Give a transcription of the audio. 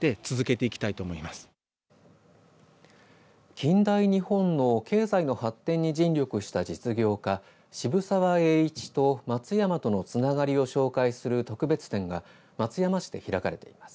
近代日本の経済の発展に尽力した実業家渋沢栄一と松山とのつながりを紹介する特別展が松山市で開かれています。